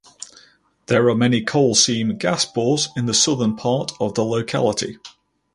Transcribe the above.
There are many coal seam gas bores in the southern part of the locality.